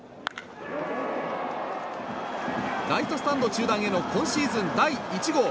ライトスタンド中段への今シーズン第１号。